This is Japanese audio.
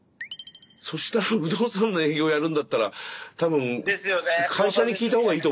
そしたら不動産の営業やるんだったら多分会社に聞いた方がいいと思うよ。